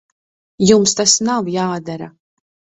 Jums tas nav jādara.